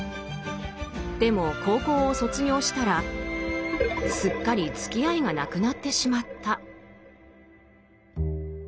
でも高校を卒業したらすっかりつきあいがなくなってしまった。